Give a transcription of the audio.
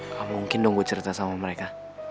gak mungkin dong gue cerita sama mereka